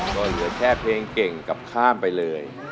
ก็เหลือแค่เพลงเก่งกับข้ามไปเลย